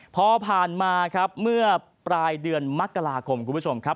พอผ่านมาครับเมื่อปลายเดือนมกราคมคุณผู้ชมครับ